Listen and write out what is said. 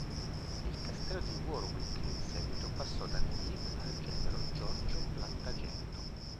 Il castello di Warwick in seguito passò da Neville al genero, Giorgio Plantageneto.